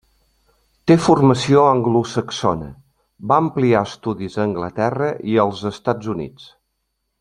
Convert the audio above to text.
Té formació anglosaxona -va ampliar estudis a Anglaterra i als Estats Units-.